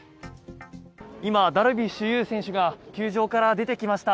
今、ダルビッシュ有選手が球場から出てきました。